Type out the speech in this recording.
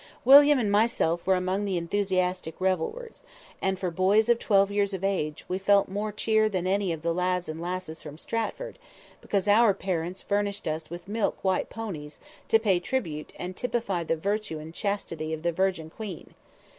William and myself were among the enthusiastic revelers, and for boys of twelve years of age, we felt more cheer than any of the lads and lasses from Stratford, because our parents furnished us with milk white ponies, to pay tribute, and typify the virtue and chastity of the "Virgin Queen!"